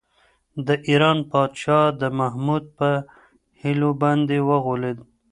د ایران پادشاه د محمود په حيلو باندې وغولېد.